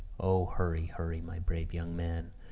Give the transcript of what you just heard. Oh hurry, hurry, my brave young man!